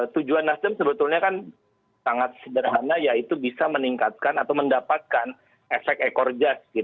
tujuan nasdem sebetulnya kan sangat sederhana yaitu bisa meningkatkan atau mendapatkan efek ekor jas